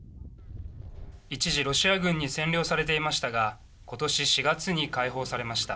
一時、ロシア軍に占領されていましたが今年４月に解放されました。